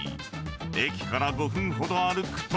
駅から５分ほど歩くと。